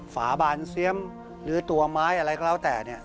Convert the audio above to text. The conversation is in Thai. ฝาบานเซียมหรือตัวไม้อะไรก็แล้วแต่เนี่ย